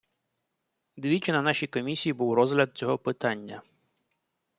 Двічі на нашій комісії був розгляд цього питання.